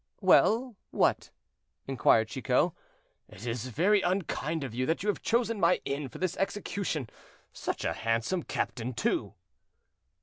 "Well, what?" inquired Chicot. "It is very unkind of you to have chosen my inn for this execution; such a handsome captain, too!"